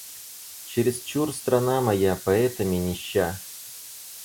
Чересчур страна моя поэтами нища.